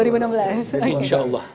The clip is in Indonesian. anniversary insya allah